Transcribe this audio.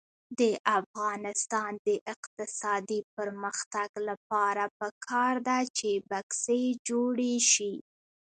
د افغانستان د اقتصادي پرمختګ لپاره پکار ده چې بکسې جوړې شي.